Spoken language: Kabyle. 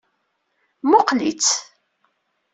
Mmuqqel-itt.